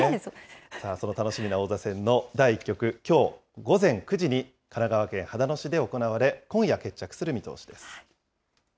その楽しみな王座戦の第１局、きょう午前９時に神奈川県秦野市で行われ、今夜決着する見通しです。